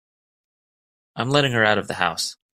I'm letting her out of the house.